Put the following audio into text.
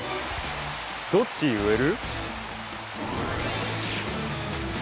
どっち植える？